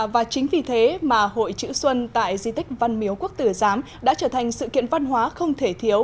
và chính vì thế mà hội chữ xuân tại di tích văn miếu quốc tử giám đã trở thành sự kiện văn hóa không thể thiếu